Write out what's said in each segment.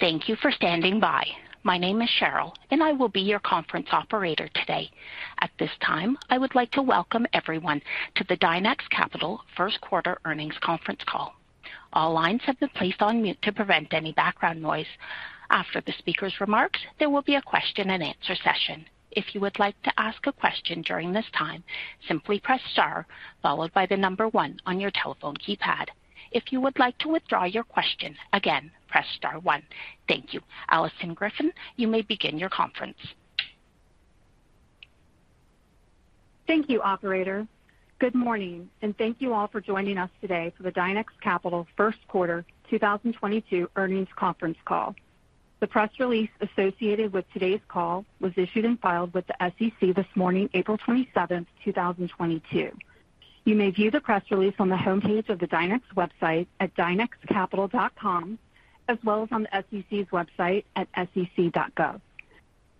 Thank you for standing by. My name is Cheryl, and I will be your conference operator today. At this time, I would like to welcome everyone to the Dynex Capital first quarter earnings conference call. All lines have been placed on mute to prevent any background noise. After the speaker's remarks, there will be a question and answer session. If you would like to ask a question during this time, simply press star followed by the number one on your telephone keypad. If you would like to withdraw your question, again, press star one. Thank you. Alison Griffin, you may begin your conference. Thank you, operator. Good morning, and thank you all for joining us today for the Dynex Capital First Quarter 2022 earnings conference call. The press release associated with today's call was issued and filed with the SEC this morning, April 27, 2022. You may view the press release on the homepage of the Dynex website at dynexcapital.com, as well as on the SEC's website at sec.gov.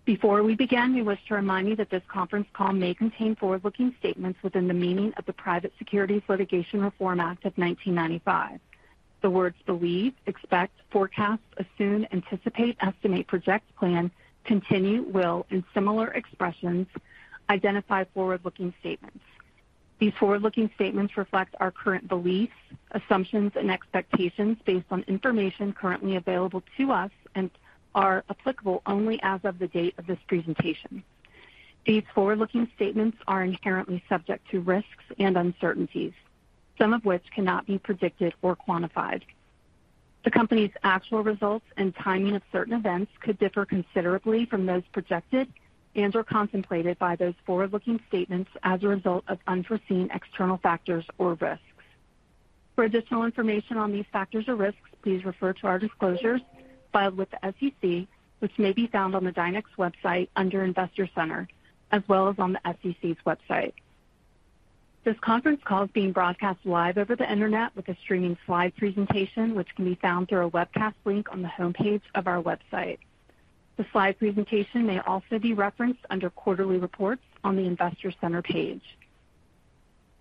Before we begin, we wish to remind you that this conference call may contain forward-looking statements within the meaning of the Private Securities Litigation Reform Act of 1995. The words believe, expect, forecast, assume, anticipate, estimate, project, plan, continue, will, and similar expressions identify forward-looking statements. These forward-looking statements reflect our current beliefs, assumptions, and expectations based on information currently available to us and are applicable only as of the date of this presentation. These forward-looking statements are inherently subject to risks and uncertainties, some of which cannot be predicted or quantified. The company's actual results and timing of certain events could differ considerably from those projected and/or contemplated by those forward-looking statements as a result of unforeseen external factors or risks. For additional information on these factors or risks, please refer to our disclosures filed with the SEC, which may be found on the Dynex website under Investor Center, as well as on the SEC's website. This conference call is being broadcast live over the Internet with a streaming slide presentation, which can be found through a webcast link on the homepage of our website. The slide presentation may also be referenced under Quarterly Reports on the Investor Center page.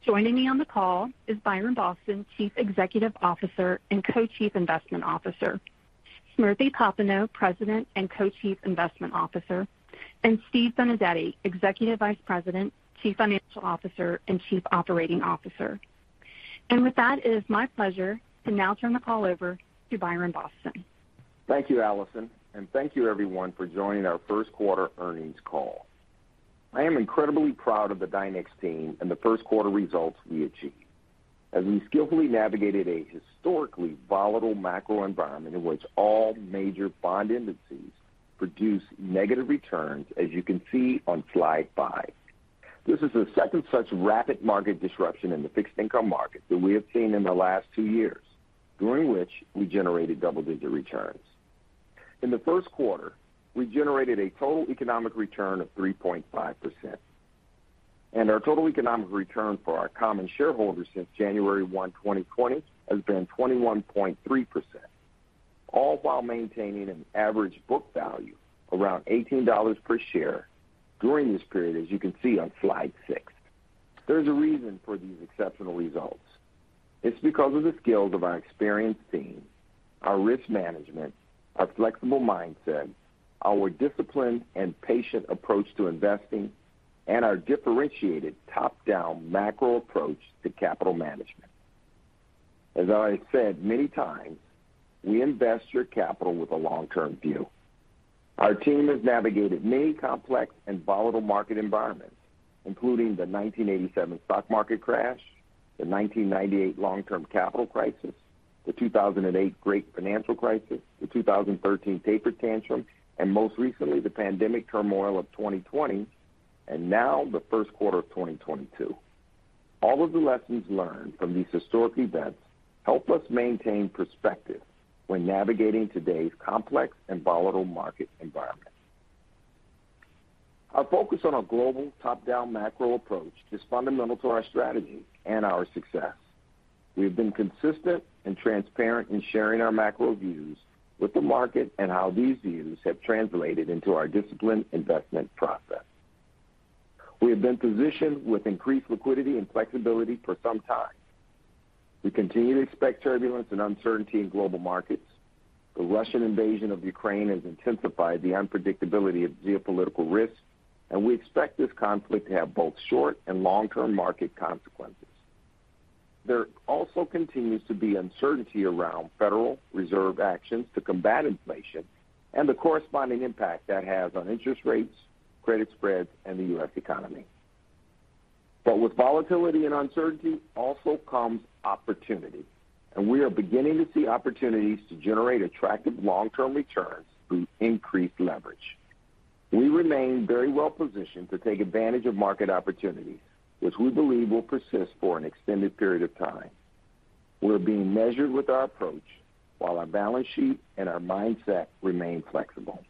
Joining me on the call is Byron Boston, Chief Executive Officer and Co-Chief Investment Officer, Smriti Popenoe, President and Co-Chief Investment Officer, and Steve Benedetti, Executive Vice President, Chief Financial Officer and Chief Operating Officer. With that, it is my pleasure to now turn the call over to Byron Boston. Thank you, Alison. Thank you everyone for joining our first quarter earnings call. I am incredibly proud of the Dynex team and the first quarter results we achieved as we skillfully navigated a historically volatile macro environment in which all major bond indices produced negative returns, as you can see on slide five. This is the second such rapid market disruption in the fixed income market that we have seen in the last two years, during which we generated double-digit returns. In the first quarter, we generated a total economic return of 3.5%, and our total economic return for our common shareholders since January 1, 2020 has been 21.3%, all while maintaining an average book value around $18 per share during this period, as you can see on slide six. There's a reason for these exceptional results. It's because of the skills of our experienced team, our risk management, our flexible mindset, our disciplined and patient approach to investing, and our differentiated top-down macro approach to capital management. As I said many times, we invest your capital with a long-term view. Our team has navigated many complex and volatile market environments, including the 1987 stock market crash, the 1998 long-term capital crisis, the 2008 great financial crisis, the 2013 taper tantrum, and most recently, the pandemic turmoil of 2020, and now the first quarter of 2022. All of the lessons learned from these historic events help us maintain perspective when navigating today's complex and volatile market environment. Our focus on a global top-down macro approach is fundamental to our strategy and our success. We have been consistent and transparent in sharing our macro views with the market and how these views have translated into our disciplined investment process. We have been positioned with increased liquidity and flexibility for some time. We continue to expect turbulence and uncertainty in global markets. The Russian invasion of Ukraine has intensified the unpredictability of geopolitical risks, and we expect this conflict to have both short- and long-term market consequences. There also continues to be uncertainty around Federal Reserve actions to combat inflation and the corresponding impact that has on interest rates, credit spreads, and the U.S. economy. With volatility and uncertainty also comes opportunity, and we are beginning to see opportunities to generate attractive long-term returns through increased leverage. We remain very well positioned to take advantage of market opportunities, which we believe will persist for an extended period of time. We're being measured with our approach while our balance sheet and our mindset remain flexible.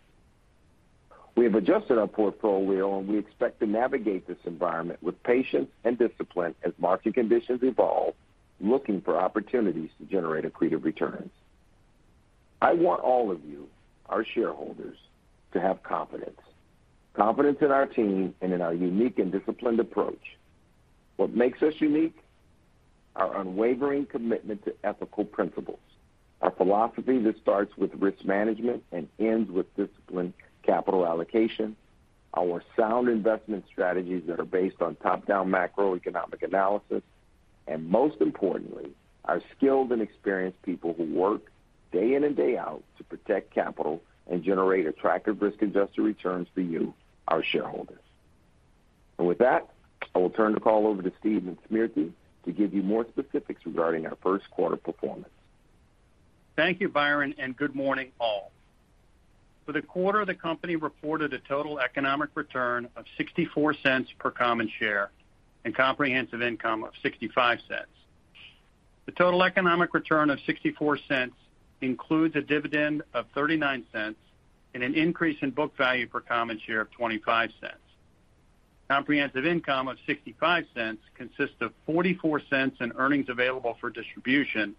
We have adjusted our portfolio, and we expect to navigate this environment with patience and discipline as market conditions evolve, looking for opportunities to generate accretive returns. I want all of you, our shareholders, to have confidence in our team and in our unique and disciplined approach. What makes us unique? Our unwavering commitment to ethical principles. Our philosophy that starts with risk management and ends with disciplined capital allocation. Our sound investment strategies that are based on top-down macroeconomic analysis. And most importantly, our skilled and experienced people who work day in and day out to protect capital and generate attractive risk-adjusted returns for you, our shareholders. With that, I will turn the call over to Steve and Smriti to give you more specifics regarding our first quarter performance. Thank you, Byron, and good morning, all. For the quarter, the company reported a total economic return of $0.64 per common share and comprehensive income of $0.65. The total economic return of $0.64 includes a dividend of $0.39 and an increase in book value per common share of $0.25. Comprehensive income of $0.65 consists of $0.44 in earnings available for distribution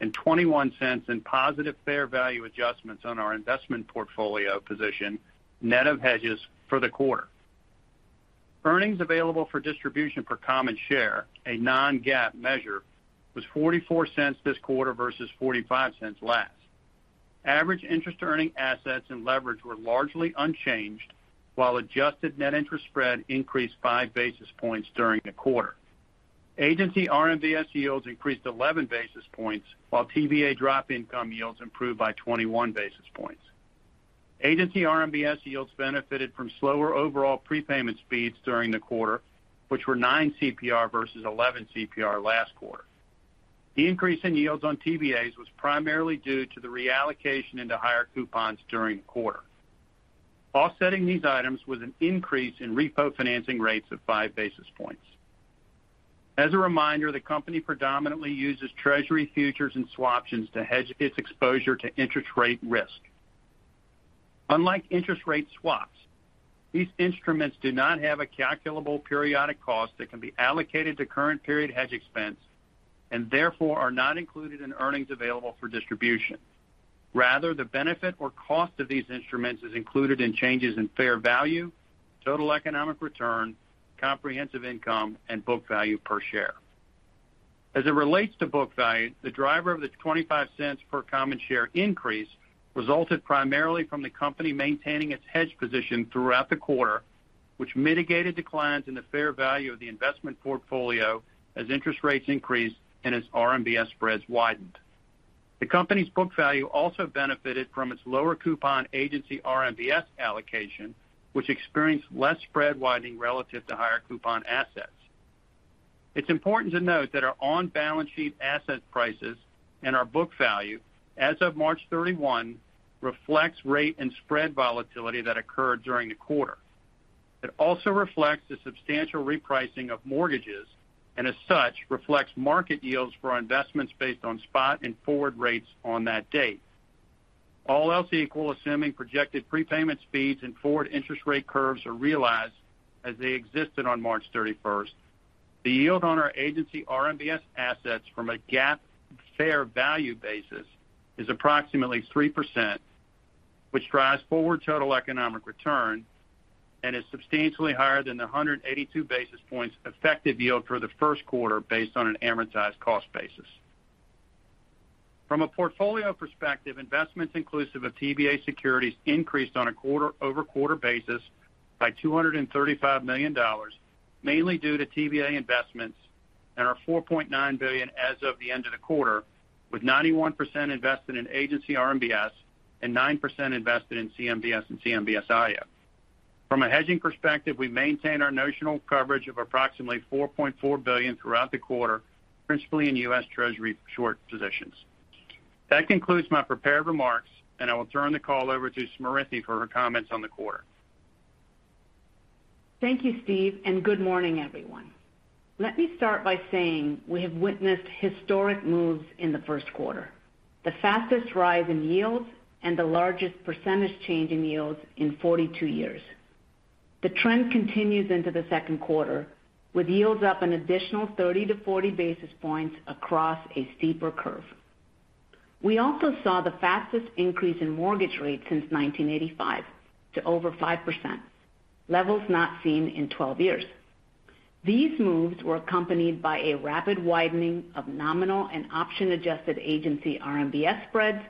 and $0.21 in positive fair value adjustments on our investment portfolio position, net of hedges for the quarter. Earnings available for distribution per common share, a non-GAAP measure, was $0.44 this quarter versus $0.45 last. Average interest earning assets and leverage were largely unchanged while adjusted net interest spread increased 5 basis points during the quarter. Agency RMBS yields increased 11 basis points while TBA dollar income yields improved by 21 basis points. Agency RMBS yields benefited from slower overall prepayment speeds during the quarter, which were 9 CPR versus 11 CPR last quarter. The increase in yields on TBAs was primarily due to the reallocation into higher coupons during the quarter. Offsetting these items was an increase in repo financing rates of 5 basis points. As a reminder, the company predominantly uses treasury futures and swaptions to hedge its exposure to interest rate risk. Unlike interest rate swaps, these instruments do not have a calculable periodic cost that can be allocated to current period hedge expense, and therefore, are not included in earnings available for distribution. Rather, the benefit or cost of these instruments is included in changes in fair value, total economic return, comprehensive income, and book value per share. As it relates to book value, the driver of the $0.25 per common share increase resulted primarily from the company maintaining its hedge position throughout the quarter, which mitigated declines in the fair value of the investment portfolio as interest rates increased and as RMBS spreads widened. The company's book value also benefited from its lower coupon Agency RMBS allocation, which experienced less spread widening relative to higher coupon assets. It's important to note that our on-balance sheet asset prices and our book value as of March 31 reflects rate and spread volatility that occurred during the quarter. It also reflects the substantial repricing of mortgages, and as such, reflects market yields for our investments based on spot and forward rates on that date. All else equal, assuming projected prepayment speeds and forward interest rate curves are realized as they existed on March thirty-first, the yield on our agency RMBS assets from a GAAP fair value basis is approximately 3%, which drives forward total economic return and is substantially higher than the 182 basis points effective yield for the first quarter based on an amortized cost basis. From a portfolio perspective, investments inclusive of TBA securities increased on a quarter-over-quarter basis by $235 million, mainly due to TBA investments and our $4.9 billion as of the end of the quarter, with 91% invested in agency RMBS and 9% invested in CMBS and CMBS IO. From a hedging perspective, we maintain our notional coverage of approximately $4.4 billion throughout the quarter, principally in U.S. Treasury short positions. That concludes my prepared remarks, and I will turn the call over to Smriti for her comments on the quarter. Thank you, Steve, and good morning, everyone. Let me start by saying we have witnessed historic moves in the first quarter, the fastest rise in yields and the largest percentage change in yields in 42 years. The trend continues into the second quarter, with yields up an additional 30-40 basis points across a steeper curve. We also saw the fastest increase in mortgage rates since 1985 to over 5%, levels not seen in 12 years. These moves were accompanied by a rapid widening of nominal and option-adjusted agency RMBS spreads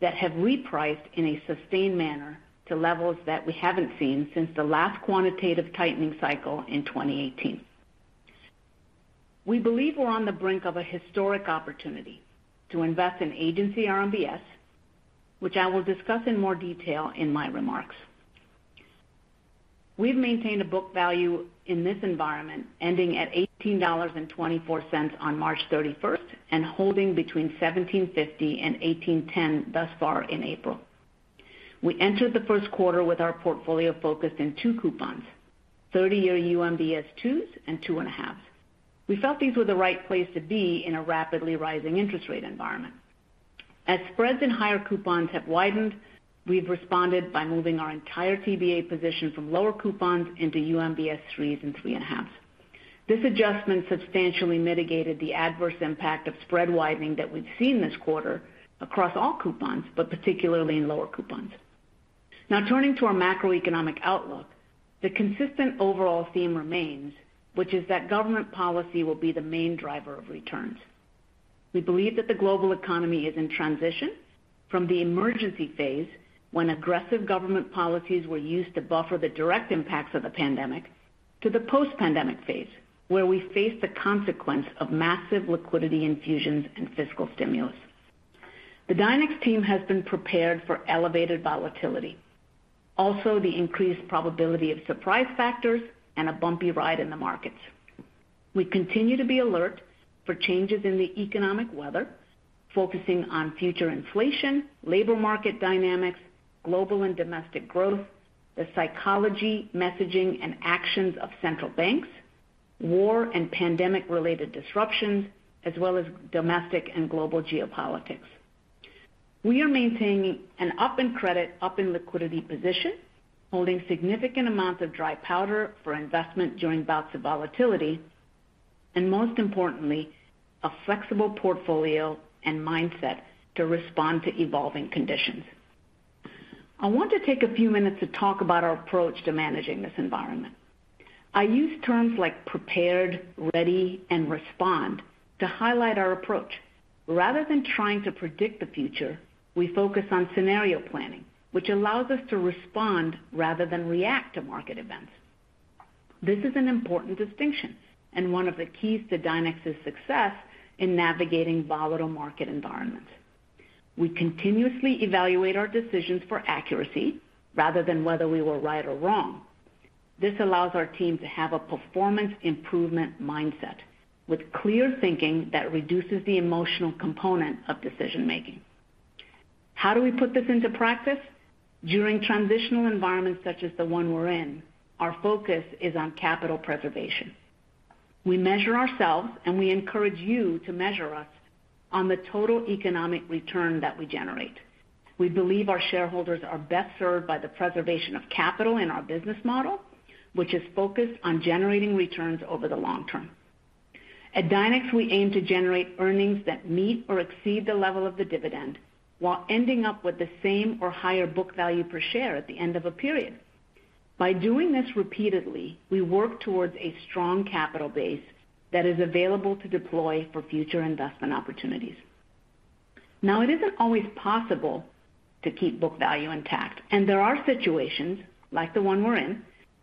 that have repriced in a sustained manner to levels that we haven't seen since the last quantitative tightening cycle in 2018. We believe we're on the brink of a historic opportunity to invest in agency RMBS, which I will discuss in more detail in my remarks. We've maintained a book value in this environment ending at $18.24 on March 31st and holding between $17.50 and $18.10 thus far in April. We entered the first quarter with our portfolio focused in two coupons, 30-year UMBS 2s and 2.5s. We felt these were the right place to be in a rapidly rising interest rate environment. As spreads in higher coupons have widened, we've responded by moving our entire TBA position from lower coupons into UMBS 3s and 3.5s. This adjustment substantially mitigated the adverse impact of spread widening that we've seen this quarter across all coupons, but particularly in lower coupons. Now turning to our macroeconomic outlook, the consistent overall theme remains, which is that government policy will be the main driver of returns. We believe that the global economy is in transition from the emergency phase, when aggressive government policies were used to buffer the direct impacts of the pandemic, to the post-pandemic phase, where we face the consequence of massive liquidity infusions and fiscal stimulus. The Dynex team has been prepared for elevated volatility, also the increased probability of surprise factors and a bumpy ride in the markets. We continue to be alert for changes in the economic weather, focusing on future inflation, labor market dynamics, global and domestic growth, the psychology, messaging, and actions of central banks, war and pandemic-related disruptions, as well as domestic and global geopolitics. We are maintaining an up in credit, up in liquidity position, holding significant amounts of dry powder for investment during bouts of volatility, and most importantly, a flexible portfolio and mindset to respond to evolving conditions. I want to take a few minutes to talk about our approach to managing this environment. I use terms like prepared, ready, and respond to highlight our approach. Rather than trying to predict the future, we focus on scenario planning, which allows us to respond rather than react to market events. This is an important distinction and one of the keys to Dynex's success in navigating volatile market environments. We continuously evaluate our decisions for accuracy rather than whether we were right or wrong. This allows our team to have a performance improvement mindset with clear thinking that reduces the emotional component of decision-making. How do we put this into practice? During transitional environments such as the one we're in, our focus is on capital preservation. We measure ourselves, and we encourage you to measure us on the total economic return that we generate. We believe our shareholders are best served by the preservation of capital in our business model, which is focused on generating returns over the long term. At Dynex, we aim to generate earnings that meet or exceed the level of the dividend while ending up with the same or higher book value per share at the end of a period. By doing this repeatedly, we work towards a strong capital base that is available to deploy for future investment opportunities. Now, it isn't always possible to keep book value intact, and there are situations like the one we're in,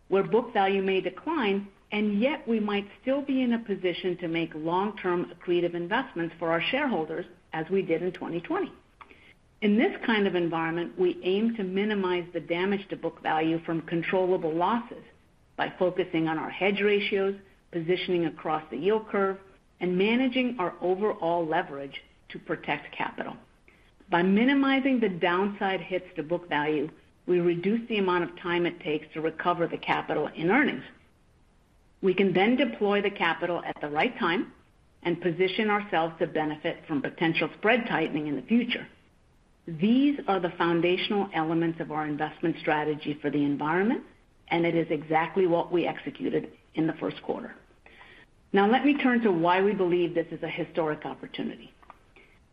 where book value may decline, and yet we might still be in a position to make long-term accretive investments for our shareholders, as we did in 2020. In this kind of environment, we aim to minimize the damage to book value from controllable losses by focusing on our hedge ratios, positioning across the yield curve, and managing our overall leverage to protect capital. By minimizing the downside hits to book value, we reduce the amount of time it takes to recover the capital in earnings. We can then deploy the capital at the right time and position ourselves to benefit from potential spread tightening in the future. These are the foundational elements of our investment strategy for the environment, and it is exactly what we executed in the first quarter. Now let me turn to why we believe this is a historic opportunity.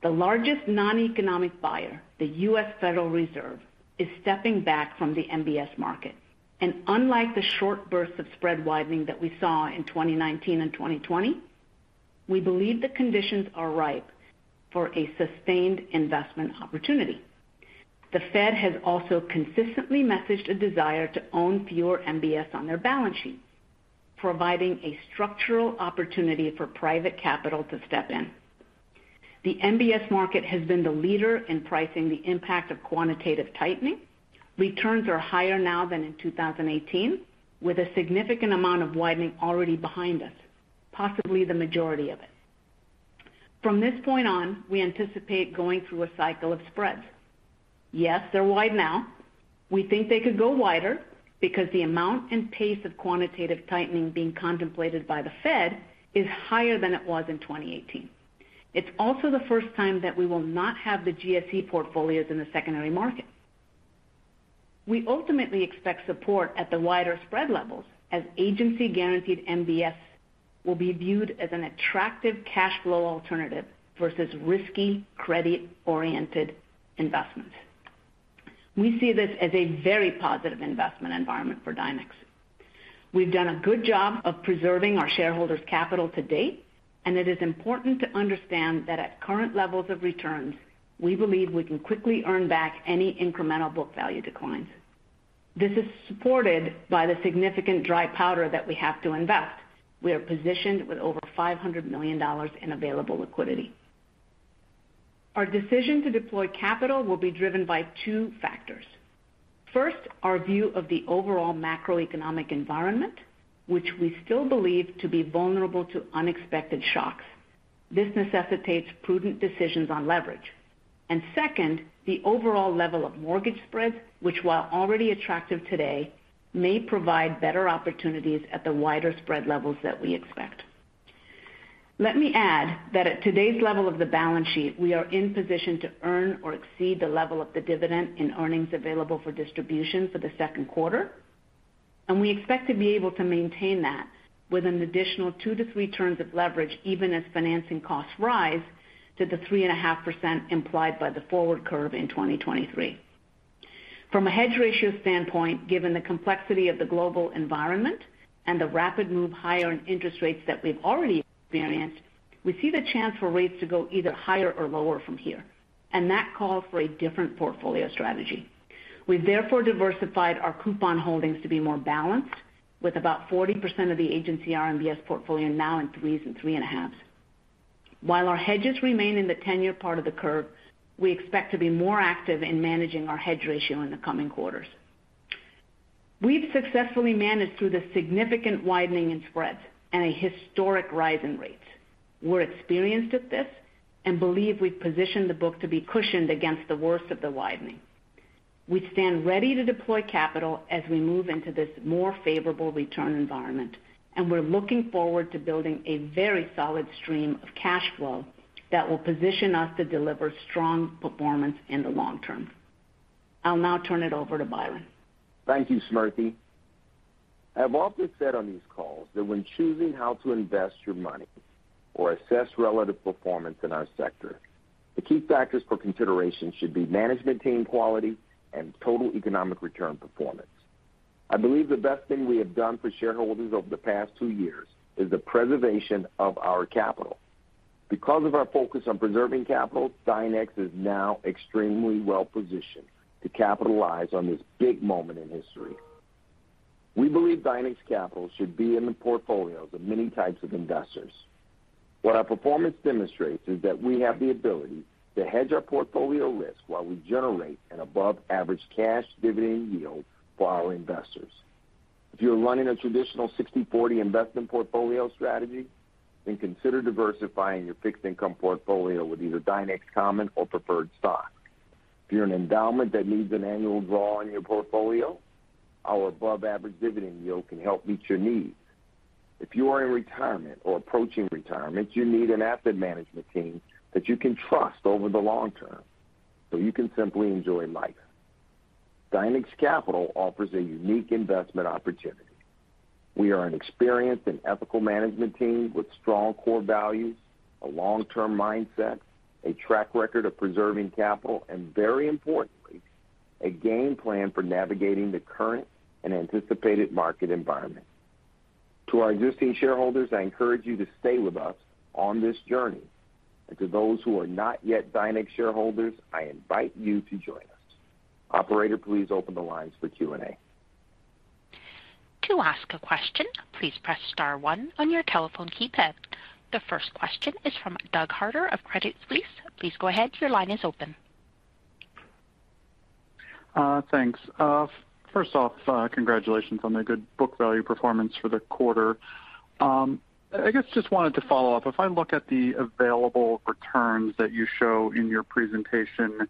The largest non-economic buyer, the U.S. Federal Reserve, is stepping back from the MBS market. Unlike the short bursts of spread widening that we saw in 2019 and 2020, we believe the conditions are ripe for a sustained investment opportunity. The Fed has also consistently messaged a desire to own fewer MBS on their balance sheet, providing a structural opportunity for private capital to step in. The MBS market has been the leader in pricing the impact of quantitative tightening. Returns are higher now than in 2018, with a significant amount of widening already behind us, possibly the majority of it. From this point on, we anticipate going through a cycle of spreads. Yes, they're wide now. We think they could go wider because the amount and pace of quantitative tightening being contemplated by the Fed is higher than it was in 2018. It's also the first time that we will not have the GSE portfolios in the secondary market. We ultimately expect support at the wider spread levels as Agency-guaranteed MBS will be viewed as an attractive cash flow alternative versus risky credit-oriented investments. We see this as a very positive investment environment for Dynex. We've done a good job of preserving our shareholders' capital to date, and it is important to understand that at current levels of returns, we believe we can quickly earn back any incremental book value declines. This is supported by the significant dry powder that we have to invest. We are positioned with over $500 million in available liquidity. Our decision to deploy capital will be driven by two factors. First, our view of the overall macroeconomic environment, which we still believe to be vulnerable to unexpected shocks. This necessitates prudent decisions on leverage. Second, the overall level of mortgage spreads, which while already attractive today, may provide better opportunities at the wider spread levels that we expect. Let me add that at today's level of the balance sheet, we are in position to earn or exceed the level of the dividend in earnings available for distribution for the second quarter. We expect to be able to maintain that with an additional 2-3 turns of leverage, even as financing costs rise to the 3.5% implied by the forward curve in 2023. From a hedge ratio standpoint, given the complexity of the global environment and the rapid move higher in interest rates that we've already experienced, we see the chance for rates to go either higher or lower from here, and that calls for a different portfolio strategy. We therefore diversified our coupon holdings to be more balanced, with about 40% of the Agency RMBS portfolio now in 3s and 3.5s. While our hedges remain in the ten-year part of the curve, we expect to be more active in managing our hedge ratio in the coming quarters. We've successfully managed through the significant widening in spreads and a historic rise in rates. We're experienced at this and believe we've positioned the book to be cushioned against the worst of the widening. We stand ready to deploy capital as we move into this more favorable return environment, and we're looking forward to building a very solid stream of cash flow that will position us to deliver strong performance in the long term. I'll now turn it over to Byron. Thank you, Smriti. I've often said on these calls that when choosing how to invest your money or assess relative performance in our sector, the key factors for consideration should be management team quality and total economic return performance. I believe the best thing we have done for shareholders over the past two years is the preservation of our capital. Because of our focus on preserving capital, Dynex is now extremely well positioned to capitalize on this big moment in history. We believe Dynex Capital should be in the portfolios of many types of investors. What our performance demonstrates is that we have the ability to hedge our portfolio risk while we generate an above-average cash dividend yield for our investors. If you're running a traditional 60/40 investment portfolio strategy, then consider diversifying your fixed income portfolio with either Dynex common or preferred stock. If you're an endowment that needs an annual draw on your portfolio, our above-average dividend yield can help meet your needs. If you are in retirement or approaching retirement, you need an asset management team that you can trust over the long term, so you can simply enjoy life. Dynex Capital offers a unique investment opportunity. We are an experienced and ethical management team with strong core values, a long-term mindset, a track record of preserving capital, and very importantly, a game plan for navigating the current and anticipated market environment. To our existing shareholders, I encourage you to stay with us on this journey. To those who are not yet Dynex shareholders, I invite you to join us. Operator, please open the lines for Q&A. To ask a question, please press star one on your telephone keypad. The first question is from Douglas Harter of Credit Suisse. Please go ahead. Your line is open. Thanks. First off, congratulations on the good book value performance for the quarter. I guess just wanted to follow up. If I look at the available returns that you show in your presentation,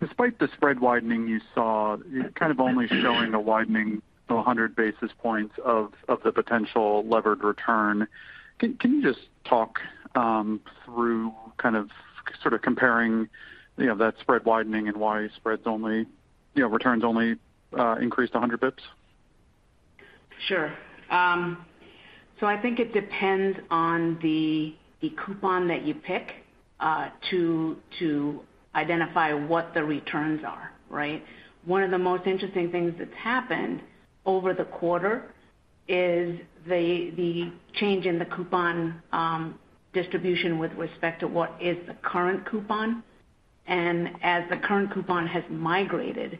despite the spread widening you saw, you're kind of only showing a widening of 100 basis points of the potential levered return. Can you just talk through kind of, sort of comparing, you know, that spread widening and why spreads only, you know, returns only increased 100 basis points? Sure. I think it depends on the coupon that you pick to identify what the returns are, right? One of the most interesting things that's happened over the quarter is the change in the coupon distribution with respect to what is the current coupon. As the current coupon has migrated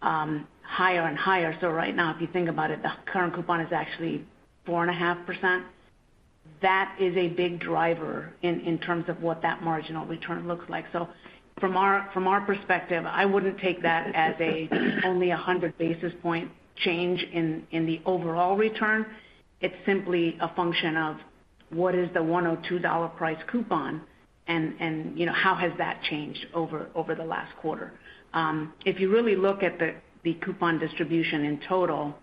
higher and higher. Right now, if you think about it, the current coupon is actually 4.5%. That is a big driver in terms of what that marginal return looks like. From our perspective, I wouldn't take that as only a 100 basis point change in the overall return. It's simply a function of what is the $102 price coupon and, you know, how has that changed over the last quarter. If you really look at the coupon distribution in total,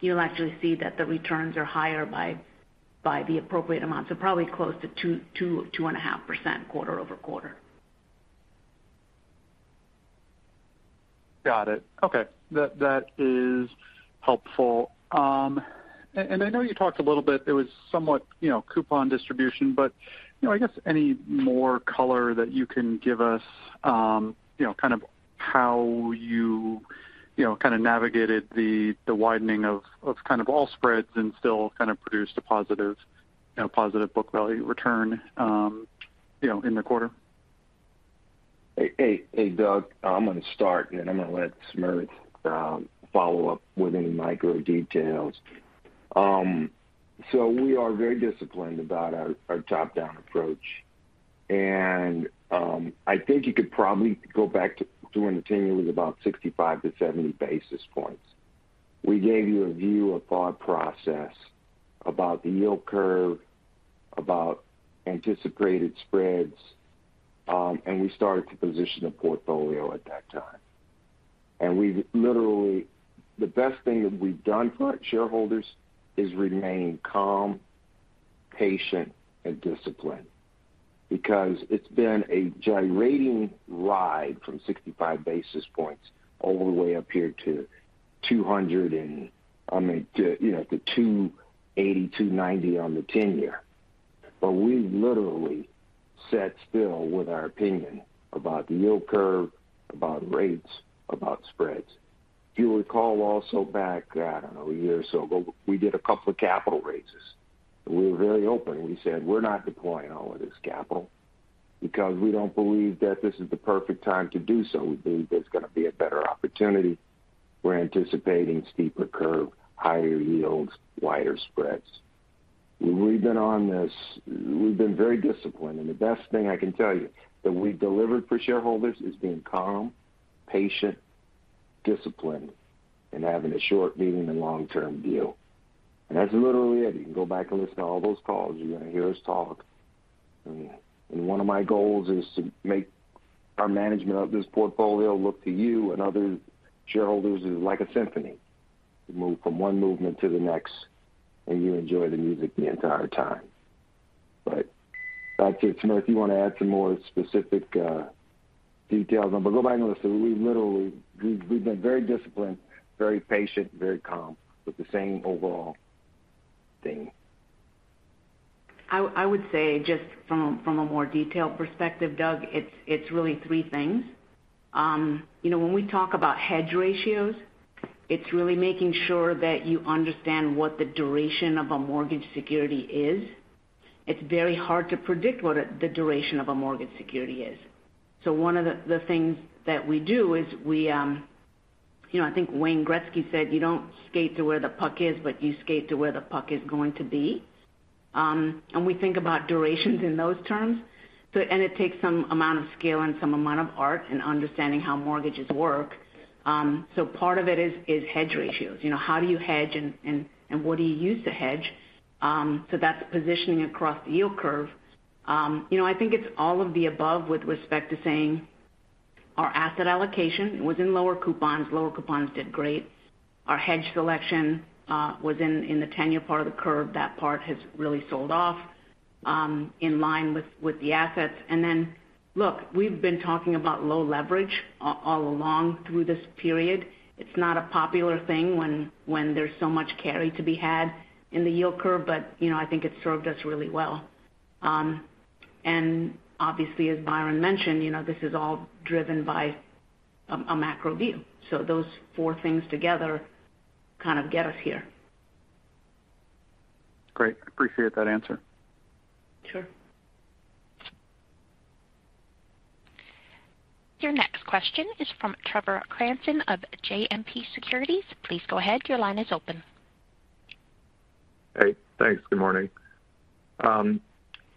you'll actually see that the returns are higher by the appropriate amount. Probably close to 2.5% quarter-over-quarter. Got it. Okay. That is helpful. And I know you talked a little bit, it was somewhat, you know, coupon distribution, but, you know, I guess any more color that you can give us, you know, kind of how you know, kind of navigated the widening of kind of all spreads and still kind of produced a positive book value return, you know, in the quarter? Hey, hey, Doug. I'm going to start, and I'm going to let Smriti follow up with any macro details. We are very disciplined about our top-down approach. I think you could probably go back to when the ten-year was about 65-70 basis points. We gave you a view, a thought process about the yield curve, about anticipated spreads, and we started to position the portfolio at that time. We've literally the best thing that we've done for our shareholders is remain calm, patient and disciplined because it's been a gyrating ride from 65 basis points all the way up here to 280, 290 on the 10 year. We literally sat still with our opinion about the yield curve, about rates, about spreads. If you recall also back, I don't know, a year or so ago, we did a couple of capital raises. We were very open. We said, we're not deploying all of this capital because we don't believe that this is the perfect time to do so. We believe there's going to be a better opportunity. We're anticipating steeper curve, higher yields, wider spreads. We've been very disciplined. The best thing I can tell you that we've delivered for shareholders is being calm, patient, disciplined, and having a short-medium and long-term view. That's literally it. You can go back and listen to all those calls. You're going to hear us talk. One of my goals is to make our management of this portfolio look to you and other shareholders is like a symphony. You move from one movement to the next, and you enjoy the music the entire time. Back to you, Smriti, if you want to add some more specific details. Go back and listen. We've been very disciplined, very patient, very calm with the same overall theme. I would say just from a more detailed perspective, Doug, it's really three things. You know, when we talk about hedge ratios, it's really making sure that you understand what the duration of a mortgage security is. It's very hard to predict what the duration of a mortgage security is. One of the things that we do is we, you know, I think Wayne Gretzky said, "You don't skate to where the puck is, but you skate to where the puck is going to be." We think about durations in those terms. And it takes some amount of skill and some amount of art and understanding how mortgages work. Part of it is hedge ratios. You know, how do you hedge and what do you use to hedge? That's positioning across the yield curve. You know, I think it's all of the above with respect to saying our asset allocation was in lower coupons. Lower coupons did great. Our hedge selection was in the ten-year part of the curve. That part has really sold off in line with the assets. Look, we've been talking about low leverage all along through this period. It's not a popular thing when there's so much carry to be had in the yield curve, but you know, I think it's served us really well. Obviously, as Byron mentioned, you know, this is all driven by a macro view. Those four things together kind of get us here. Great. I appreciate that answer. Sure. Your next question is from Trevor Cranston of JMP Securities. Please go ahead. Your line is open. Hey, thanks. Good morning. You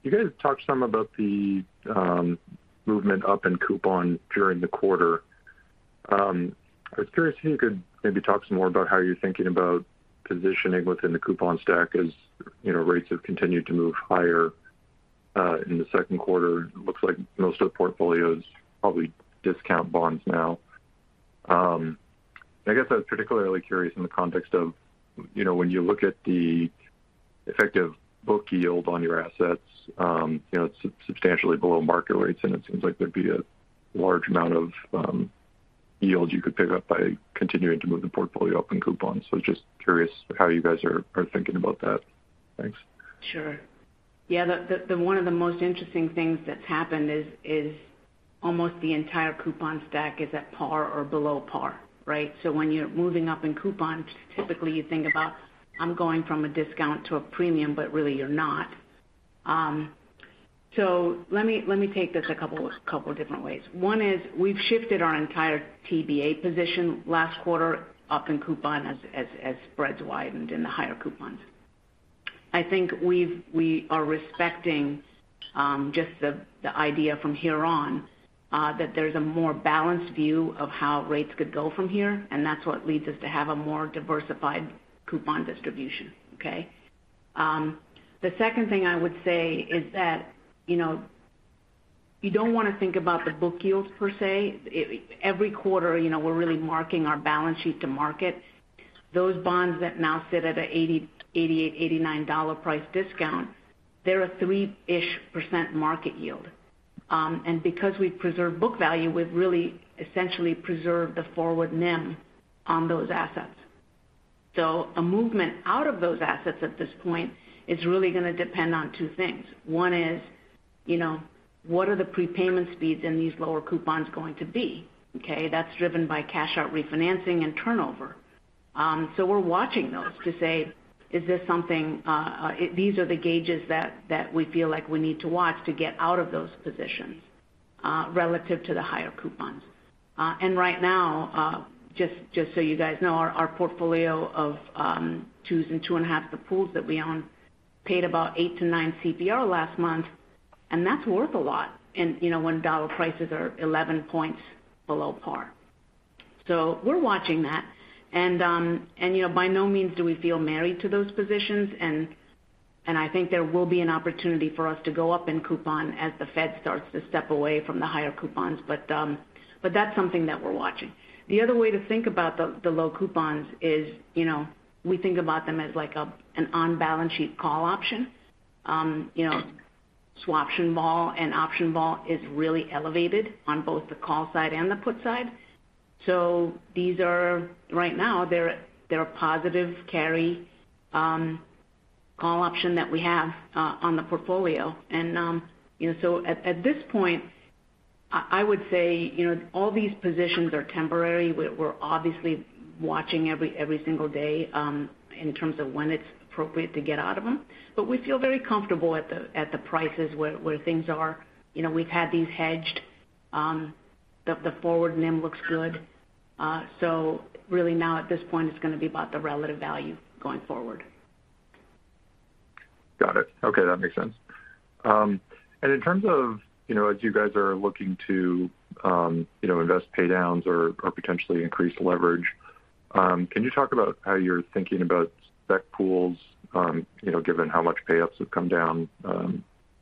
guys talked some about the movement up in coupon during the quarter. I was curious if you could maybe talk some more about how you're thinking about positioning within the coupon stack as, you know, rates have continued to move higher in the second quarter. It looks like most of the portfolio is probably discount bonds now. I guess I was particularly curious in the context of, you know, when you look at the effective book yield on your assets, you know, it's substantially below market rates, and it seems like there'd be a large amount of yield you could pick up by continuing to move the portfolio up in coupons. Just curious how you guys are thinking about that. Thanks. Sure. Yeah. The one of the most interesting things that's happened is almost the entire coupon stack is at par or below par, right? When you're moving up in coupon, typically you think about, I'm going from a discount to a premium, but really you're not. Let me take this a couple of different ways. One is we've shifted our entire TBA position last quarter up in coupon as spreads widened in the higher coupons. I think we are respecting just the idea from here on that there's a more balanced view of how rates could go from here, and that's what leads us to have a more diversified coupon distribution. Okay? The second thing I would say is that, you know, you don't want to think about the book yields per se. Every quarter, you know, we're really marking our balance sheet to market. Those bonds that now sit at an $80, $88, $89 price discount, they're a 3-ish% market yield. Because we preserve book value, we've really essentially preserved the forward NIM on those assets. A movement out of those assets at this point is really going to depend on two things. One is, you know, what are the prepayment speeds in these lower coupons going to be? Okay? That's driven by cash out refinancing and turnover. We're watching those to say, these are the gauges that we feel like we need to watch to get out of those positions, relative to the higher coupons. Right now, just so you guys know, our portfolio of 2s and 2.5s, the pools that we own paid about 8-9 CPR last month, and that's worth a lot in, you know, when dollar prices are 11 points below par. We're watching that. You know, by no means do we feel married to those positions. I think there will be an opportunity for us to go up in coupon as the Fed starts to step away from the higher coupons. That's something that we're watching. The other way to think about the low coupons is, you know, we think about them as like an on-balance sheet call option. You know, swap option vol and option vol is really elevated on both the call side and the put side. These are right now they're a positive carry call option that we have on the portfolio. You know, at this point I would say you know all these positions are temporary. We're obviously watching every single day in terms of when it's appropriate to get out of them. We feel very comfortable at the prices where things are. You know, we've had these hedged, the forward NIM looks good. Really now at this point, it's gonna be about the relative value going forward. Got it. Okay, that makes sense. In terms of, you know, as you guys are looking to, you know, invest paydowns or potentially increase leverage, can you talk about how you're thinking about spec pools, you know, given how much PayUps have come down,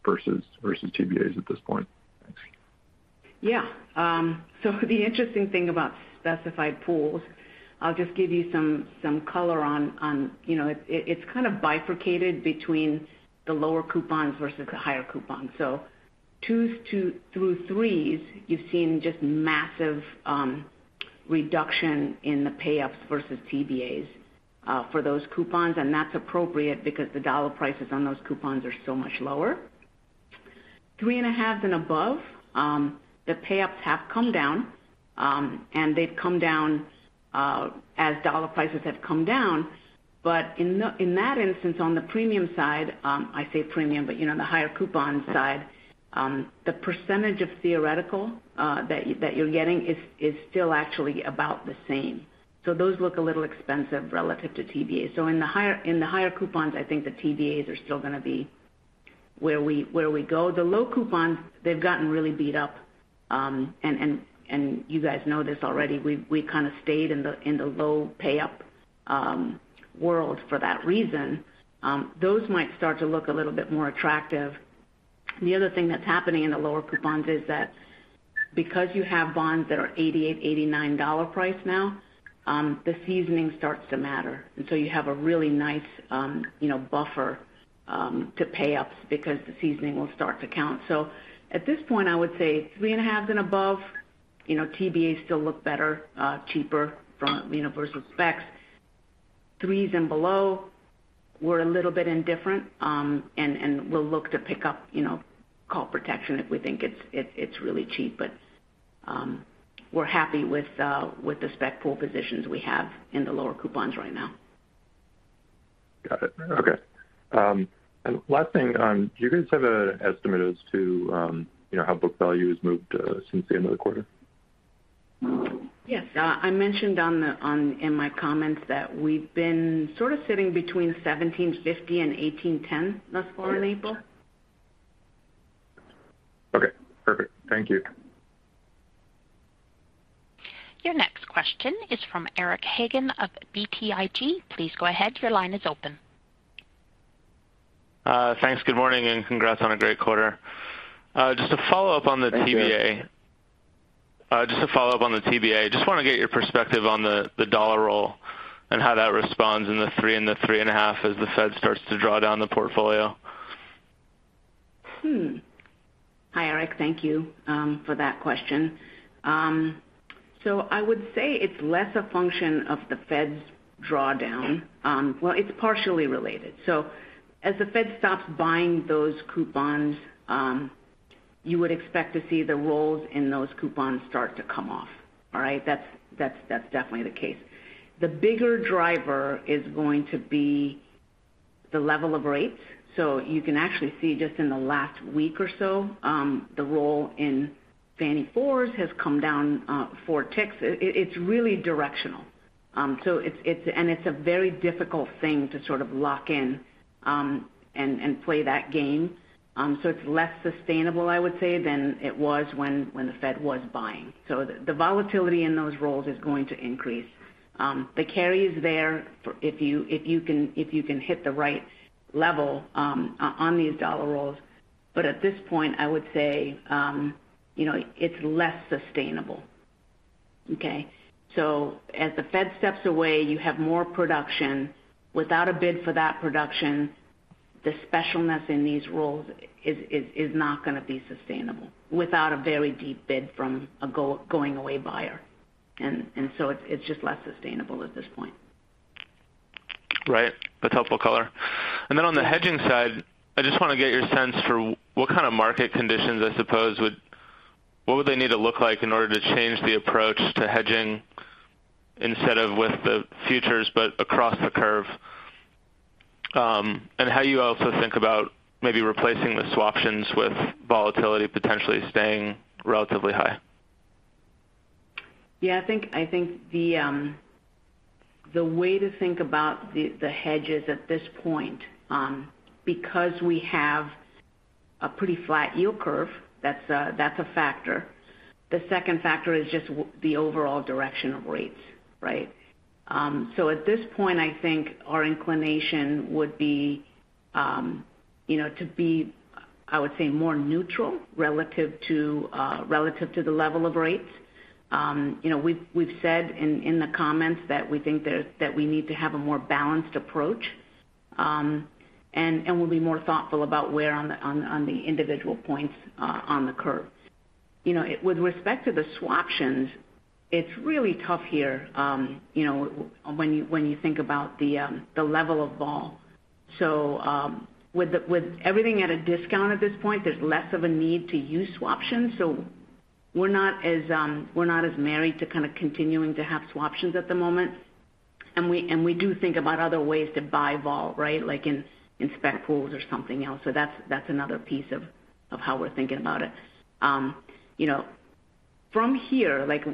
versus TBAs at this point? Thanks. The interesting thing about specified pools, I'll just give you some color on. You know, it's kind of bifurcated between the lower coupons versus the higher coupons. 2s through 3s, you've seen just massive reduction in the pay-ups versus TBAs for those coupons, and that's appropriate because the dollar prices on those coupons are so much lower. 3.5s and above, the pay-ups have come down, and they've come down as dollar prices have come down. In that instance, on the premium side, I say premium, but you know the higher coupon side, the percentage of theoretical that you're getting is still actually about the same. Those look a little expensive relative to TBAs. In the higher coupons, I think the TBAs are still gonna be where we go. The low coupons, they've gotten really beat up. You guys know this already, we kinda stayed in the low PayUp world for that reason. Those might start to look a little bit more attractive. The other thing that's happening in the lower coupons is that because you have bonds that are $88-$89 price now, the seasoning starts to matter. You have a really nice, you know, buffer to PayUps because the seasoning will start to count. At this point, I would say 3.5 and above, you know, TBAs still look better, cheaper from, you know, versus specs. Threes and below, we're a little bit indifferent, and we'll look to pick up, you know, call protection if we think it's really cheap. We're happy with the spec pool positions we have in the lower coupons right now. Got it. Okay. Last thing, do you guys have an estimate as to, you know, how book value has moved since the end of the quarter? Yes. I mentioned in my comments that we've been sort of sitting between $17.50 and $18.10 thus far in April. Okay, perfect. Thank you. Your next question is from Eric Hagen of BTIG. Please go ahead. Your line is open. Thanks. Good morning, and congrats on a great quarter. Just to follow up on the TBA- Thank you. Just to follow up on the TBA. Just wanna get your perspective on the dollar roll and how that responds in the 3 and the 3.5 as the Fed starts to draw down the portfolio. Hi, Eric. Thank you for that question. I would say it's less a function of the Fed's drawdown. Well, it's partially related. As the Fed stops buying those coupons, you would expect to see the rolls in those coupons start to come off. All right? That's definitely the case. The bigger driver is going to be the level of rates. You can actually see just in the last week or so, the roll in Fannie 4s has come down 4 ticks. It's really directional. It's a very difficult thing to sort of lock in and play that game. It's less sustainable, I would say, than it was when the Fed was buying. The volatility in those rolls is going to increase. The carry is there for if you can hit the right level on these dollar rolls. At this point, I would say, you know, it's less sustainable. Okay? As the Fed steps away, you have more production. Without a bid for that production, the specialness in these rolls is not gonna be sustainable without a very deep bid from a going-away buyer. It's just less sustainable at this point. Right. That's helpful color. On the hedging side, I just wanna get your sense for what kind of market conditions, I suppose, what would they need to look like in order to change the approach to hedging instead of with the futures but across the curve? How you also think about maybe replacing the swap options with volatility potentially staying relatively high. Yeah, I think the way to think about the hedges at this point, because we have a pretty flat yield curve, that's a factor. The second factor is just the overall direction of rates, right? So at this point, I think our inclination would be, you know, to be, I would say, more neutral relative to the level of rates. You know, we've said in the comments that we think that we need to have a more balanced approach, and we'll be more thoughtful about where on the individual points on the curve. You know, with respect to the swaptions, it's really tough here, you know, when you think about the level of vol. With everything at a discount at this point, there's less of a need to use swaptions. We're not as married to kind of continuing to have swaptions at the moment. We do think about other ways to buy vol, right? Like in spec pools or something else. That's another piece of how we're thinking about it. You know, from here, like,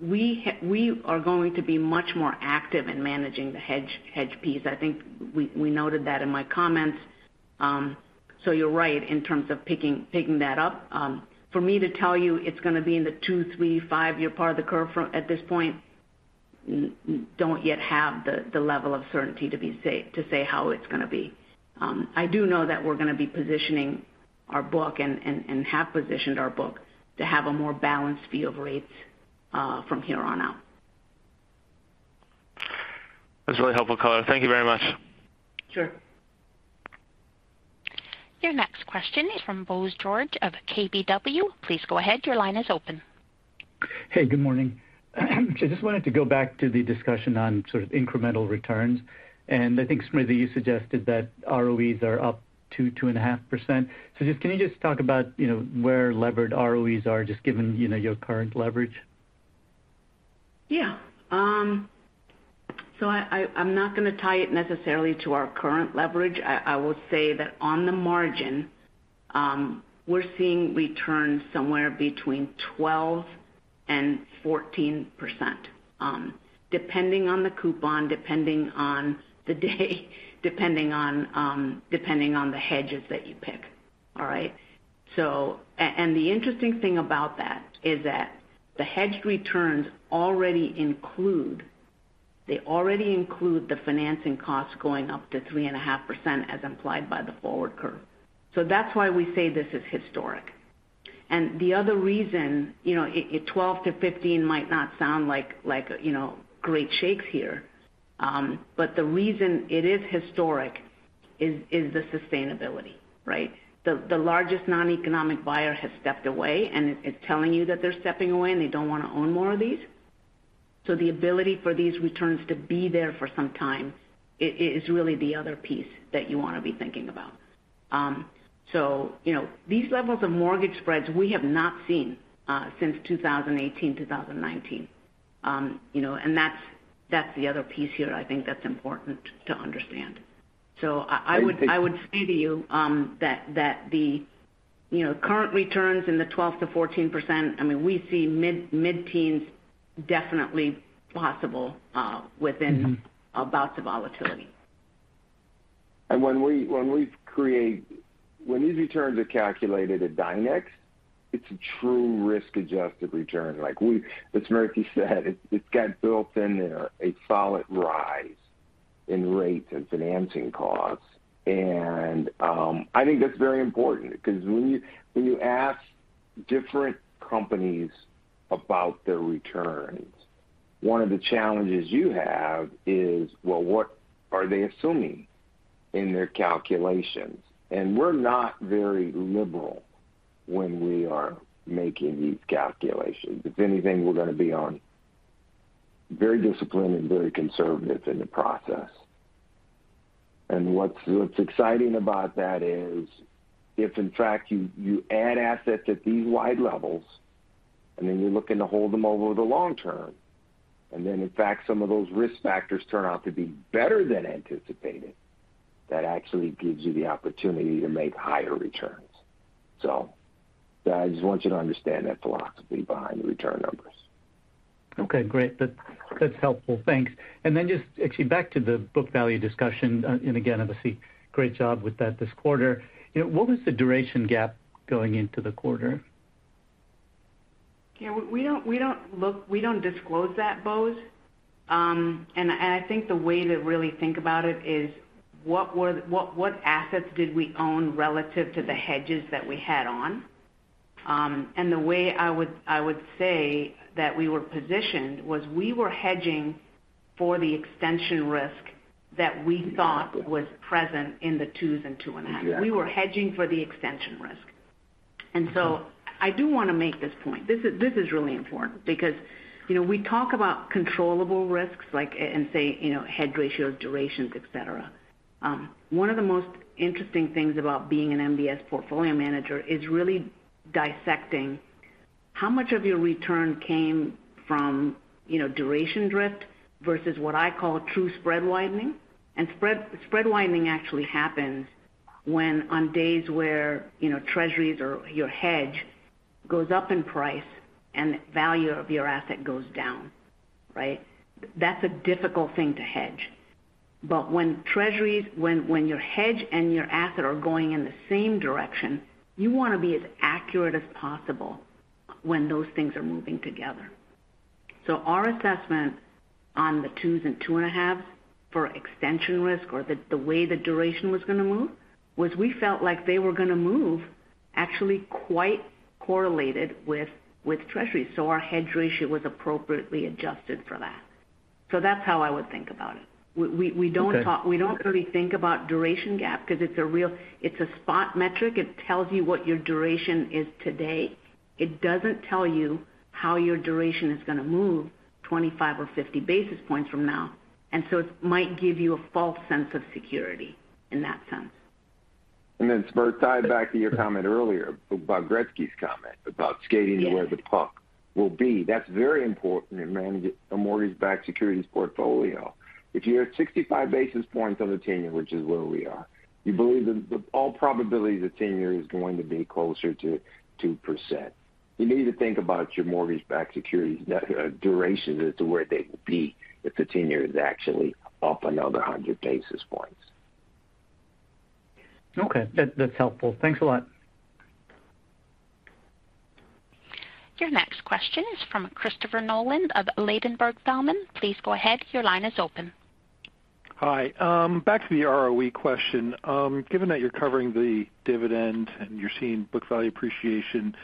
we are going to be much more active in managing the hedge piece. I think we noted that in my comments. You're right in terms of picking that up. For me to tell you it's gonna be in the 2, 3, 5-year part of the curve at this point, I don't yet have the level of certainty to say how it's gonna be. I do know that we're gonna be positioning our book and have positioned our book to have a more balanced view of rates from here on out. That's really helpful, color. Thank you very much. Sure. Your next question is from Bose George of KBW. Please go ahead. Your line is open. Hey, good morning. Just wanted to go back to the discussion on sort of incremental returns. I think, Smriti, you suggested that ROEs are up 2%-2.5%. Just, can you just talk about, you know, where levered ROEs are just given, you know, your current leverage? Yeah. I'm not gonna tie it necessarily to our current leverage. I will say that on the margin, we're seeing returns somewhere between 12%-14%, depending on the coupon, depending on the day, depending on the hedges that you pick. All right? And the interesting thing about that is that the hedged returns already include, they already include the financing costs going up to 3.5% as implied by the forward curve. That's why we say this is historic. The other reason, you know, 12%-15% might not sound like great shakes here, but the reason it is historic is the sustainability, right? The largest non-economic buyer has stepped away, and it's telling you that they're stepping away, and they don't wanna own more of these. The ability for these returns to be there for some time is really the other piece that you wanna be thinking about. You know, these levels of mortgage spreads we have not seen since 2018, 2019. You know, that's the other piece here I think that's important to understand. I would- Thank you. I would say to you that, you know, the current returns in the 12%-14%. I mean, we see mid-teens% definitely possible within about the volatility. When these returns are calculated at Dynex, it's a true risk-adjusted return. As Smriti said, it's got built in there a solid rise in rates and financing costs. I think that's very important because when you ask different companies about their returns, one of the challenges you have is, well, what are they assuming in their calculations? We're not very liberal when we are making these calculations. If anything, we're gonna be very disciplined and very conservative in the process. What's exciting about that is if in fact you add assets at these wide levels, and then you're looking to hold them over the long term, and then in fact, some of those risk factors turn out to be better than anticipated, that actually gives you the opportunity to make higher returns. I just want you to understand that philosophy behind the return numbers. Okay, great. That's helpful. Thanks. Then just actually back to the book value discussion, and again, obviously, great job with that this quarter. You know, what was the duration gap going into the quarter? Yeah, we don't disclose that, Bose. I think the way to really think about it is what assets did we own relative to the hedges that we had on? The way I would say that we were positioned was we were hedging for the extension risk that we thought was present in the 2s and 2.5. Exactly. We were hedging for the extension risk. I do wanna make this point. This is really important because, you know, we talk about controllable risks, like and say, you know, hedge ratios, durations, etc. One of the most interesting things about being an MBS portfolio manager is really dissecting how much of your return came from, you know, duration drift versus what I call true spread widening. And spread widening actually happens when on days where, you know, Treasuries or your hedge goes up in price and the value of your asset goes down, right? That's a difficult thing to hedge. But when your hedge and your asset are going in the same direction, you wanna be as accurate as possible when those things are moving together. Our assessment on the 2s and 2.5s for extension risk or the way the duration was gonna move was we felt like they were gonna move. Actually quite correlated with Treasury. Our hedge ratio was appropriately adjusted for that. That's how I would think about it. We don't talk. Okay. We don't really think about duration gap because it's a spot metric. It tells you what your duration is today. It doesn't tell you how your duration is gonna move 25 or 50 basis points from now. It might give you a false sense of security in that sense. To tie it back to your comment earlier about Gretzky's comment about skating- Yes. To where the puck will be. That's very important in managing a mortgage-backed securities portfolio. If you're at 65 basis points on the ten-year, which is where we are, you believe that in all probability the ten-year is going to be closer to 2%. You need to think about your mortgage-backed securities durations as to where they will be if the ten-year is actually up another 100 basis points. Okay. That's helpful. Thanks a lot. Your next question is from Christopher Nolan of Ladenburg Thalmann. Please go ahead. Your line is open. Hi. Back to the ROE question. Given that you're covering the dividend and you're seeing book value appreciation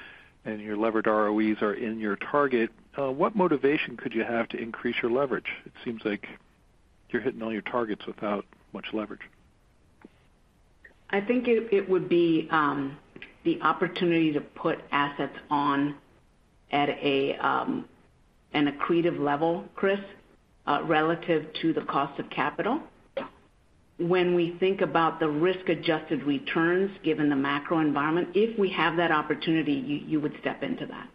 and your levered ROEs are in your target, what motivation could you have to increase your leverage? It seems like you're hitting all your targets without much leverage. I think it would be the opportunity to put assets on at an accretive level, Chris, relative to the cost of capital. When we think about the risk-adjusted returns, given the macro environment, if we have that opportunity, you would step into that.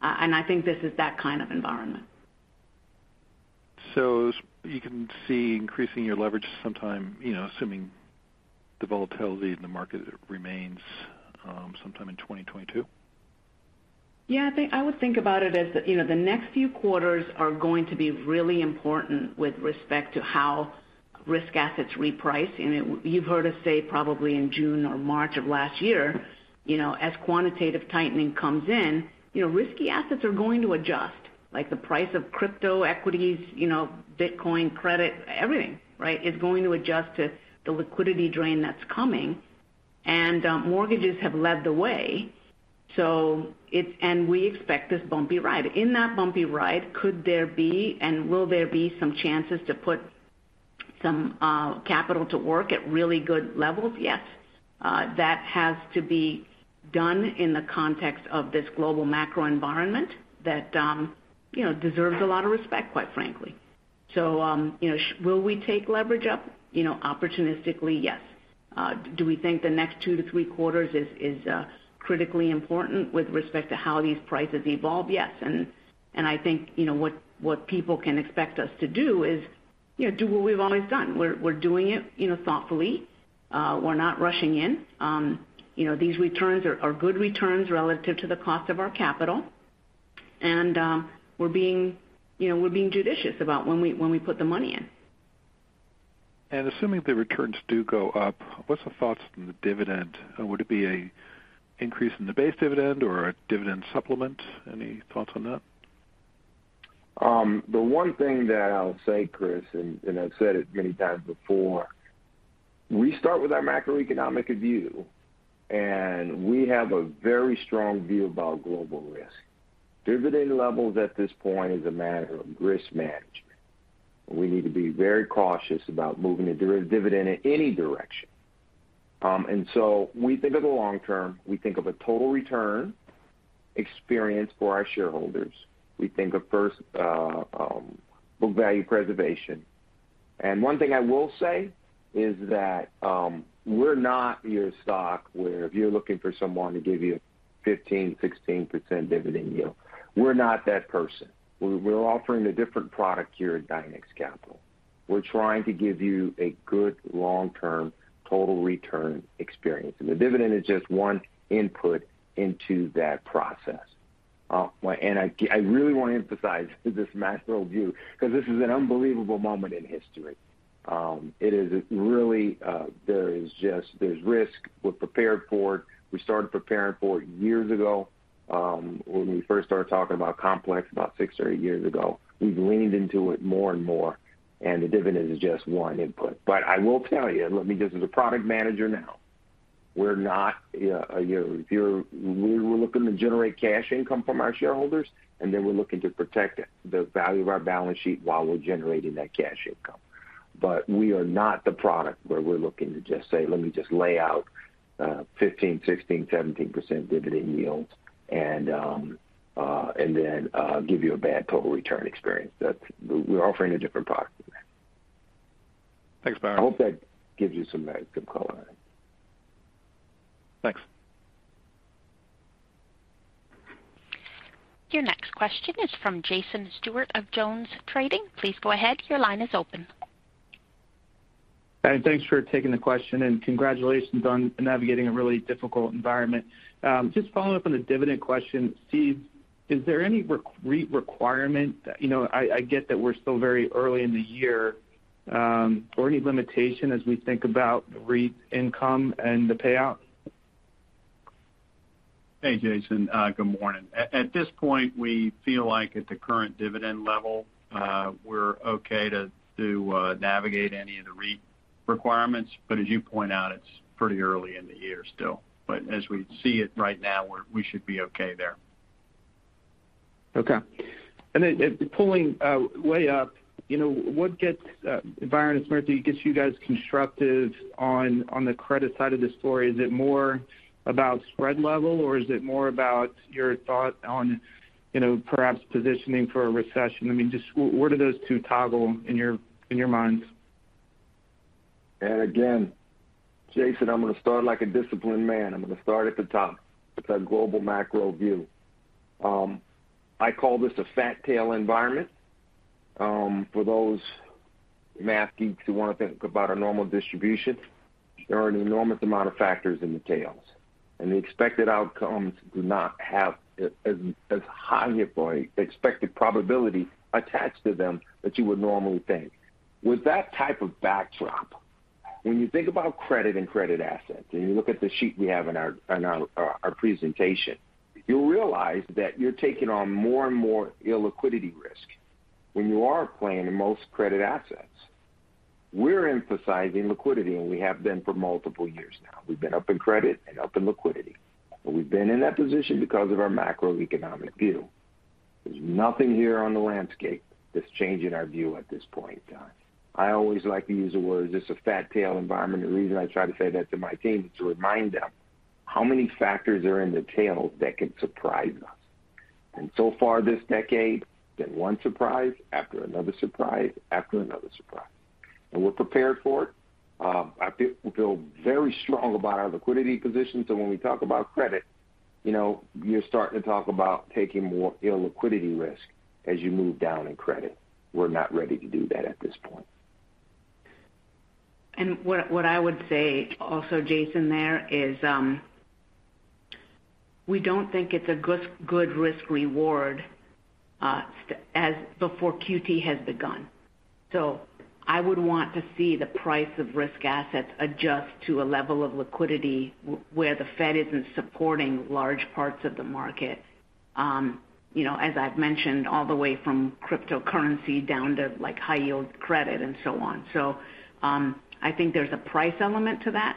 I think this is that kind of environment. You can see increasing your leverage sometime, you know, assuming the volatility in the market remains, sometime in 2022? Yeah, I think I would think about it as, you know, the next few quarters are going to be really important with respect to how risk assets reprice. You know, you've heard us say probably in June or March of last year, you know, as quantitative tightening comes in, you know, risky assets are going to adjust, like the price of crypto equities, you know, Bitcoin credit, everything, right, is going to adjust to the liquidity drain that's coming. Mortgages have led the way. We expect this bumpy ride. In that bumpy ride, could there be and will there be some chances to put some capital to work at really good levels? Yes. That has to be done in the context of this global macro environment that, you know, deserves a lot of respect, quite frankly. You know, will we take leverage up, you know, opportunistically? Yes. Do we think the next 2-3 quarters is critically important with respect to how these prices evolve? Yes. I think, you know, what people can expect us to do is, you know, do what we've always done. We're doing it, you know, thoughtfully. We're not rushing in. You know, these returns are good returns relative to the cost of our capital. We're being, you know, judicious about when we put the money in. Assuming the returns do go up, what's the thoughts on the dividend? Would it be an increase in the base dividend or a dividend supplement? Any thoughts on that? The one thing that I'll say, Chris, and I've said it many times before, we start with our macroeconomic view, and we have a very strong view about global risk. Dividend levels at this point is a matter of risk management. We need to be very cautious about moving the dividend in any direction. We think of the long term. We think of a total return experience for our shareholders. We think of, first, book value preservation. One thing I will say is that, we're not your stock where if you're looking for someone to give you 15%-16% dividend yield. We're not that person. We're offering a different product here at Dynex Capital. We're trying to give you a good long-term total return experience. The dividend is just one input into that process. I really wanna emphasize this macro view because this is an unbelievable moment in history. It is really, there is just there's risk. We're prepared for it. We started preparing for it years ago, when we first started talking about complex about six or eight years ago. We've leaned into it more and more, and the dividend is just one input. I will tell you, let me just as a product manager now, we're not, you know, we're looking to generate cash income from our shareholders, and then we're looking to protect it, the value of our balance sheet while we're generating that cash income. We are not the product where we're looking to just say, let me just lay out, 15%, 16%, 17% dividend yields and then give you a bad total return experience. That's. We're offering a different product. Thanks, Byron. I hope that gives you some color on it. Thanks. Your next question is from Jason Stewart of Jones Trading. Please go ahead. Your line is open. Thanks for taking the question, and congratulations on navigating a really difficult environment. Just following up on the dividend question. Steve, is there any REIT requirement? You know, I get that we're still very early in the year, or any limitation as we think about the REIT's income and the payout? Hey, Jason. Good morning. At this point, we feel like at the current dividend level, we're okay to navigate any of the REIT requirements. As you point out, it's pretty early in the year still. As we see it right now, we should be okay there. Okay. Pulling way up, you know, what gets Byron and Smriti, gets you guys constructive on the credit side of the story? Is it more about spread level, or is it more about your thought on, you know, perhaps positioning for a recession? I mean, just where do those two toggle in your minds? Again, Jason, I'm gonna start like a disciplined man. I'm gonna start at the top with that global macro view. I call this a fat tail environment. For those math geeks who wanna think about a normal distribution, there are an enormous amount of factors in the tails, and the expected outcomes do not have as high of an expected probability attached to them that you would normally think. With that type of backdrop, when you think about credit and credit assets, and you look at the sheet we have in our presentation, you'll realize that you're taking on more and more illiquidity risk when you are playing in most credit assets. We're emphasizing liquidity, and we have been for multiple years now. We've been up in credit and up in liquidity. We've been in that position because of our macroeconomic view. There's nothing here on the landscape that's changing our view at this point in time. I always like to use the words it's a fat tail environment. The reason I try to say that to my team is to remind them how many factors are in the tail that could surprise us. So far this decade, been one surprise after another. We're prepared for it. I feel very strong about our liquidity position, so when we talk about credit, you know, you're starting to talk about taking more illiquidity risk as you move down in credit. We're not ready to do that at this point. I would say also, Jason, there is we don't think it's a good risk-reward as before QT has begun. I would want to see the price of risk assets adjust to a level of liquidity where the Fed isn't supporting large parts of the market, you know, as I've mentioned, all the way from cryptocurrency down to, like, high-yield credit and so on. I think there's a price element to that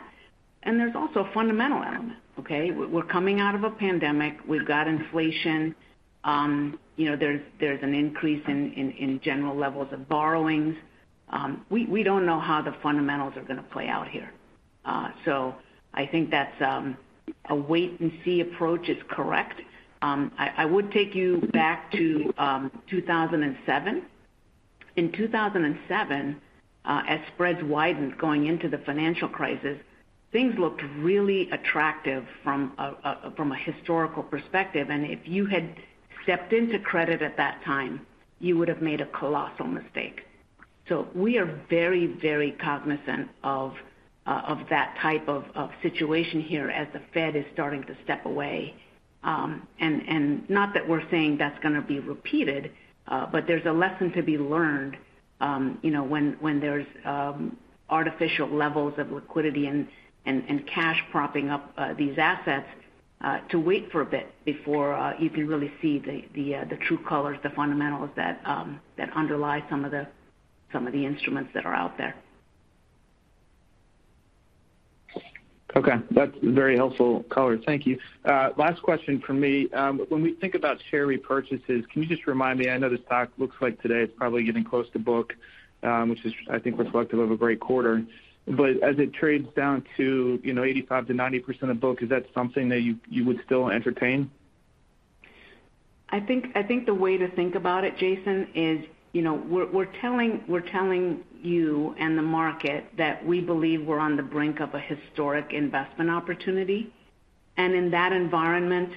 and there's also a fundamental element, okay? We're coming out of a pandemic. We've got inflation. You know, there's an increase in general levels of borrowings. We don't know how the fundamentals are gonna play out here. I think that's a wait and see approach is correct. I would take you back to 2007. In 2007, as spreads widened going into the financial crisis, things looked really attractive from a historical perspective. If you had stepped into credit at that time, you would have made a colossal mistake. We are very, very cognizant of that type of situation here as the Fed is starting to step away. Not that we're saying that's gonna be repeated, but there's a lesson to be learned, you know, when there's artificial levels of liquidity and cash propping up these assets, to wait for a bit before you can really see the true colors, the fundamentals that underlie some of the instruments that are out there. Okay. That's very helpful color. Thank you. Last question from me. When we think about share repurchases, can you just remind me? I know the stock looks like today it's probably getting close to book, which is I think reflective of a great quarter. As it trades down to, you know, 85%-90% of book, is that something that you would still entertain? I think the way to think about it, Jason, is, you know, we're telling you and the market that we believe we're on the brink of a historic investment opportunity. In that environment,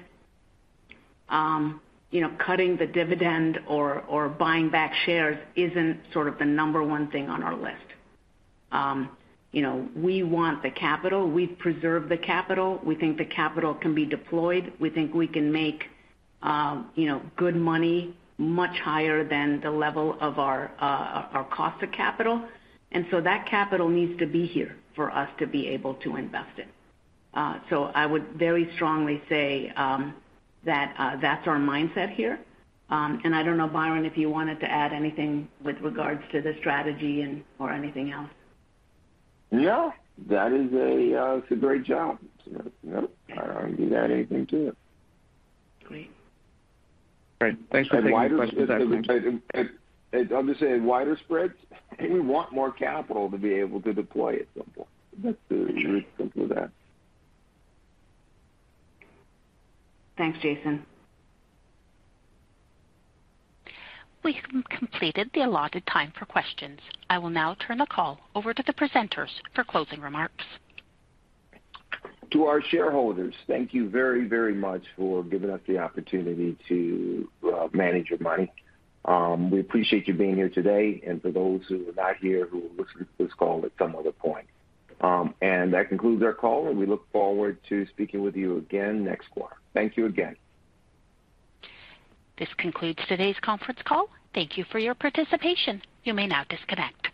you know, cutting the dividend or buying back shares isn't sort of the number one thing on our list. You know, we want the capital. We preserve the capital. We think the capital can be deployed. We think we can make, you know, good money much higher than the level of our cost of capital. That capital needs to be here for us to be able to invest it. I would very strongly say that that's our mindset here. I don't know, Byron, if you wanted to add anything with regards to the strategy and or anything else. No. It's a great job. No, no, I don't need to add anything to it. Great. Great. Thanks for taking the question. Wider spreads, we want more capital to be able to deploy at some point. That's the reason for that. Thanks, Jason. We've completed the allotted time for questions. I will now turn the call over to the presenters for closing remarks. To our shareholders, thank you very, very much for giving us the opportunity to manage your money. We appreciate you being here today and for those who are not here who will listen to this call at some other point. That concludes our call, and we look forward to speaking with you again next quarter. Thank you again. This concludes today's conference call. Thank you for your participation. You may now disconnect.